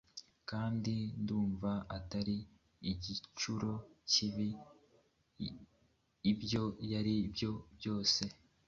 kandi ndumva atari igicuro kibi ibyo ari byo byose!